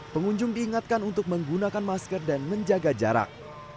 pengunjung diingatkan untuk menggunakan masker dan menjaga jarak